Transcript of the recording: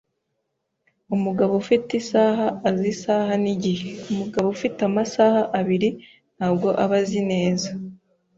Umugabo ufite isaha azi isaha nigihe, umugabo ufite amasaha abiri ntabwo aba azi neza.